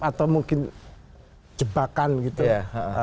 atau mungkin jebakan gitu ya